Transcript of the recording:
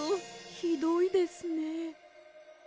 ひどいですね。